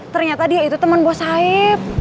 ternyata dia itu teman bos saif